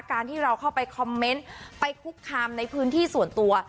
การที่เราเข้าไปคอมเมนต์ไปคุกคามในพื้นที่ส่วนตัว